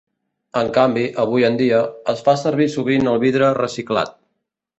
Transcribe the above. En canvi, avui en dia, es fa servir sovint el vidre reciclat.